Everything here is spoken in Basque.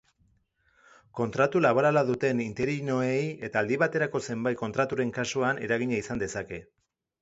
Kontratu laborala duten interinoei eta aldi baterako zenbait kontraturen kasuan eragina izan dezake.